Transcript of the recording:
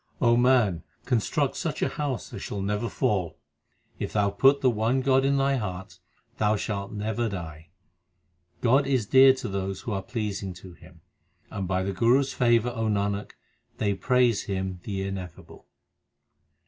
O man, construct such a house as shall never fall. If thou put the one God in thy heart, thou shalt never die. God is dear to those who are pleasing to Him ; And by the Guru s favour, O Nanak, they praise Him the Ineffable.